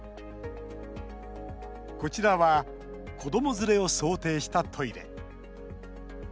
こちらは子ども連れを想定したトイレ。